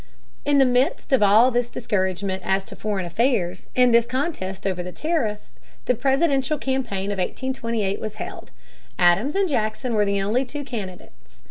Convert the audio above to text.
In the midst of all this discouragement as to foreign affairs and this contest over the tariff, the presidential campaign of 1828 was held. Adams and Jackson were the only two candidates.